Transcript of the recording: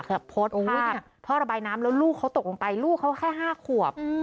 โพสต์ท่อระบายน้ำแล้วลูกเขาตกลงไปลูกเขาแค่๕ขวบ